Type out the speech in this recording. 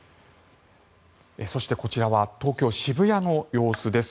そして、こちらは東京・渋谷の様子です。